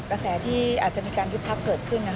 กระแสที่อาจจะมีการยุบพักเกิดขึ้น